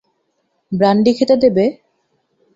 Brandy খেতে দেবে?